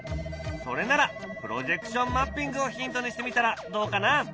それならプロジェクションマッピングをヒントにしてみたらどうかな？